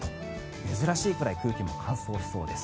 珍しいくらい空気が乾燥しそうです。